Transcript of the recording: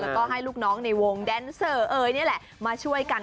แล้วก็ให้ลูกน้องในวงแดนเซอร์เอ๋ยนี่แหละมาช่วยกัน